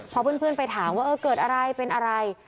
พอเพื่อนไปถามว่าเกิดอะไรเป็นอะไร